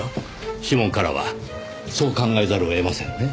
指紋からはそう考えざるを得ませんね。